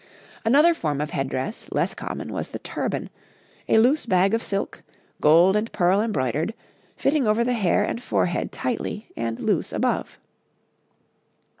Another form of head dress, less common, was the turban a loose bag of silk, gold and pearl embroidered, fitting over the hair and forehead tightly, and loose above.